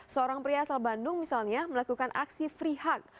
seorang pria asal bandung misalnya melakukan aksi free hug